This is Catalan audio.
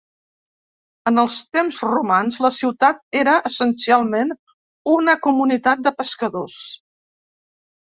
En els temps romans la ciutat era, essencialment, una comunitat de pescadors.